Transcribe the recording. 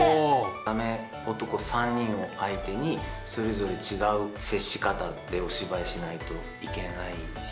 ダメ男３人を相手に、それぞれ違う接し方でお芝居しないといけないし。